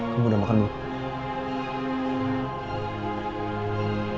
kamu udah makan belum